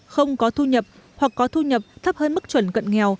không có thu nhập hoặc có thu nhập thấp hơn mức chuẩn cận nghèo